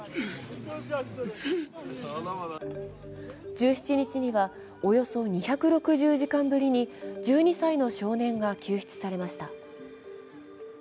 １７日には、およそ２６０時間ぶりに１２歳の少年が救出されました。